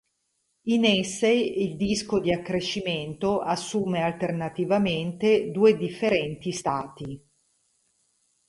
In esse il disco di accrescimento assume alternativamente due differenti stati.